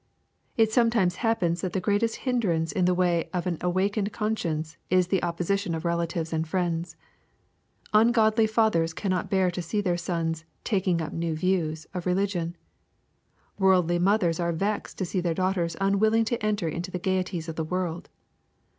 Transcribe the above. It sometimes happens that the greatest hindrance in the way of an awakened conscience, is the opposition of relatives and friends. Ungodly fathers cannot bear to see their sons " taking up new views" of religion. Worldly mothers are vexed to see their daughters unwilling to enter into the gaieties of the world.